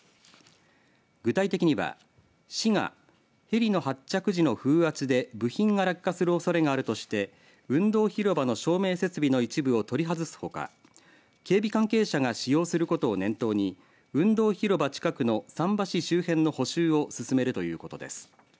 具体的には市がヘリの発着時の風圧で部品が落下するおそれがあるとして運動広場の照明設備の一部を取りはずすほか警備関係者が使用することを念頭に運動広場近くの桟橋周辺の補修を進めるということです。